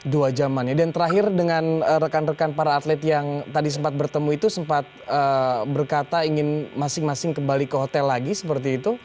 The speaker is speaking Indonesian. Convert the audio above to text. dua jamannya dan terakhir dengan rekan rekan para atlet yang tadi sempat bertemu itu sempat berkata ingin masing masing kembali ke hotel lagi seperti itu